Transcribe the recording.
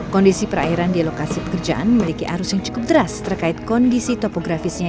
kondisi perairan di lokasi pekerjaan memiliki arus yang cukup deras terkait kondisi topografisnya